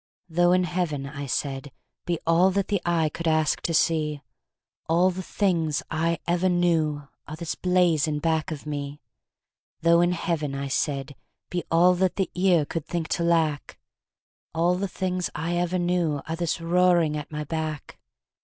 "Though in Heaven," I said, "be all That the eye could ask to see, All the things I ever knew Are this blaze in back of me." "Though in Heaven," I said, "be all That the ear could think to lack, All the things I ever knew Are this roaring at my back."